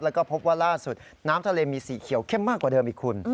แล้วก็พบว่าล่าสุดน้ำทะเลมีสีเขียวเข้มมากกว่าเดิมอีกคุณ